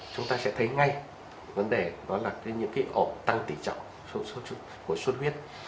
chúng ta sẽ thấy ngay vấn đề đó là những cái ổ tăng tỉ trọng sâu của xuất huyết